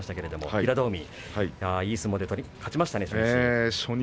平戸海、いい相撲で勝ちましたね、初日。